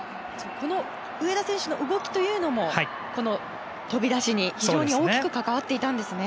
上田選手の動きというのも飛び出しに非常に大きく関わっていたんですね。